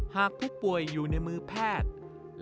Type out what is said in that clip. หากผู้ป่วยอยู่ในมือแพทย์